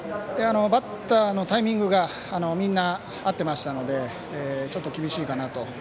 バッターのタイミングがみんな合ってましたのでちょっと厳しいかなと。